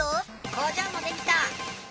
工場もできた！